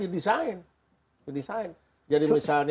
dan itu sekarang sudah didesain